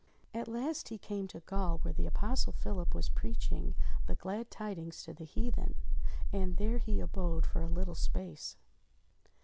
At last he came to Gaul where the Apostle Philip was preaching the glad tidings to the heathen. And there he abode for a little space.